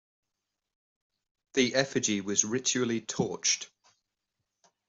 The effigy was ritually torched.